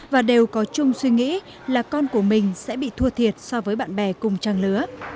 và đều có chung suy nghĩ là con của mình sẽ bị thua thiệt so với bạn bè cùng trang lứa